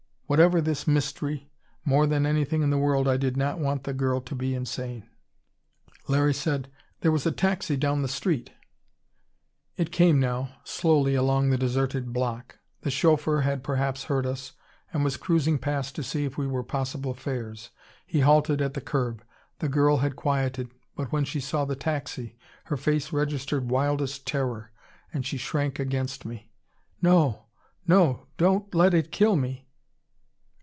Whatever this mystery, more than anything in the world I did not want the girl to be insane! Larry said, "There was a taxi down the street." It came, now, slowly along the deserted block. The chauffeur had perhaps heard us, and was cruising past to see if we were possible fares. He halted at the curb. The girl had quieted; but when she saw the taxi her face registered wildest terror, and she shrank against me. "No! No! Don't let it kill me!"